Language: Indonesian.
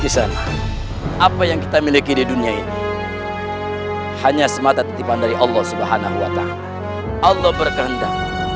semua cara semua cara hanya ada dua